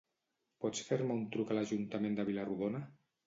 Pots fer-me un truc a l'Ajuntament de Vila-rodona?